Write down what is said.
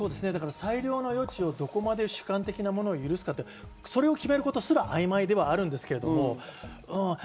裁量の余地をどこまで主観的なもので許すか、それを決めることすら曖昧ではあるんですけど。